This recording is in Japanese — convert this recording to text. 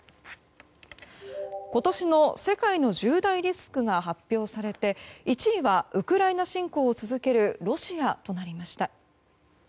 今年の世界の１０大リスクが発表されて１位はウクライナ侵攻を続けるロシアとなりました。